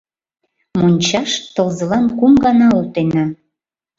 — Мончаш тылзылан кум гана олтена.